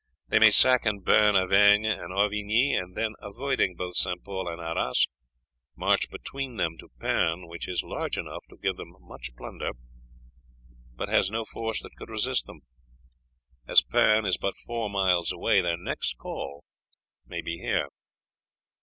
They may sack and burn Avesne and Auvigni, and then, avoiding both St. Pol and Arras, march between them to Pernes, which is large enough to give them much plunder, but has no force that could resist them. As Pernes is but four miles away, their next call may be here."